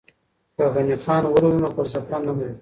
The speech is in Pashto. که غني خان ولولو نو فلسفه نه مري.